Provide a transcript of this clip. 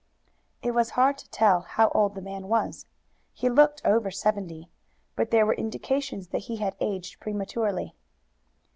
It was hard to tell how old the man was. He looked over seventy, but there were indications that he had aged prematurely.